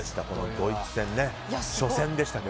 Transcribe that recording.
ドイツ戦、初戦でしたが。